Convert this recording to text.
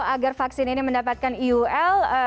agar vaksin ini mendapatkan iul